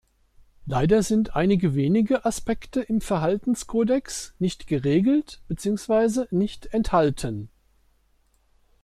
Leider sind einige wenige Aspekte im Verhaltenskodex nicht geregelt bzw. nicht enthalten.